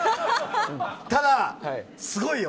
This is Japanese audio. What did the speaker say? ただ、すごいよ。